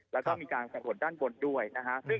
แล้วก็มีการสำรวจด้านบนด้วยนะฮะ